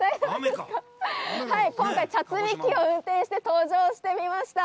今回は茶摘み機を運転して登場してみました。